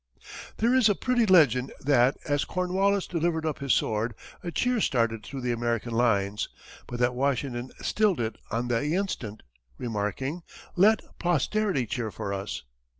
There is a pretty legend that, as Cornwallis delivered up his sword, a cheer started through the American lines, but that Washington stilled it on the instant, remarking, "Let posterity cheer for us."